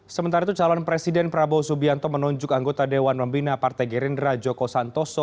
sementara itu calon presiden prabowo subianto menunjuk anggota dewan membina partai gerindra joko santoso